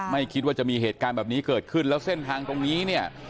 ไม่คิดว่าจะมีเหตุการณ์แบบนี้เกิดขึ้นแล้วเส้นทางตรงนี้เนี่ย